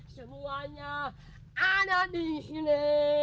semuanya ada di sini